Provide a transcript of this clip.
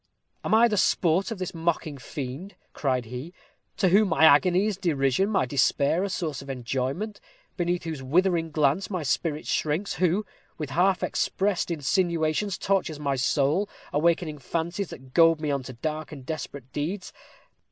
"Am I the sport of this mocking fiend?" cried he, "to whom my agony is derision my despair a source of enjoyment beneath whose withering glance my spirit shrinks who, with half expressed insinuations, tortures my soul, awakening fancies that goad me on to dark and desperate deeds?